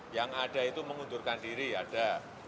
yang ada itu mengundurkan diri ada